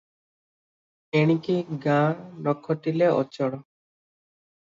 ଏଣିକି ଗାଁ ନ ଖଟିଲେ ଅଚଳ ।